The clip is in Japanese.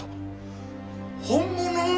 本物！？